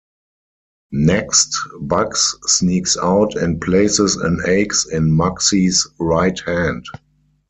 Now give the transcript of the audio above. Next, Bugs sneaks out and places an axe in Mugsy's right hand.